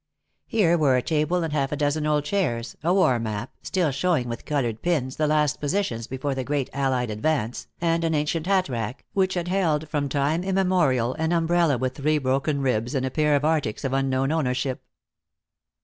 Here were a table and a half dozen old chairs, a war map, still showing with colored pins the last positions before the great allied advance, and an ancient hat rack, which had held from time immemorial an umbrella with three broken ribs and a pair of arctics of unknown ownership.